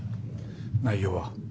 内容は？